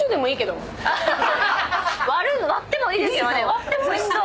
割ってもおいしそう。